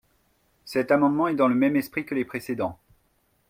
Cet amendement est dans le même esprit que les précédents.